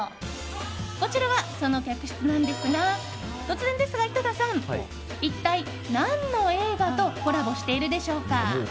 こちらがその客室なんですが突然ですが、井戸田さん一体何の映画とコラボしているでしょうか？